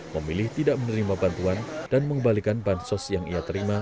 memilih tidak menerima bantuan dan mengembalikan bansos yang ia terima